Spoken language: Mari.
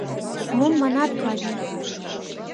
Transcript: Мом манат, Клавий?